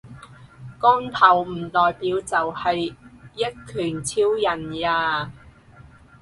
光頭唔代表就係一拳超人呀